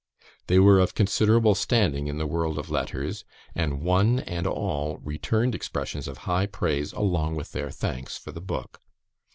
They were of considerable standing in the world of letters; and one and all returned expressions of high praise along with their thanks for the book.